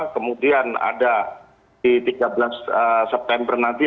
kemudian ada di tiga belas september nanti